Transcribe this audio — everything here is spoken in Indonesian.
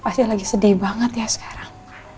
pasti lagi sedih banget ya sekarang